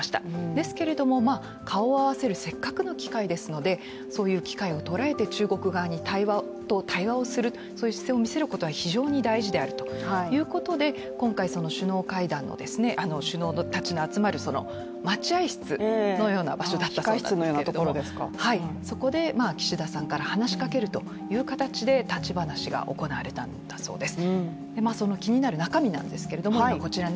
ですけれども、顔を合わせるせっかくの機会ですのでそういう機会を捉えて中国側と対話をする、そういう姿勢を見せることは非常に大事であるということで今回、首脳たちの集まる待合室のような場所だったそうなんですけれどもそこで岸田さんから話しかけるという形で立ち話が行われたんだそうです。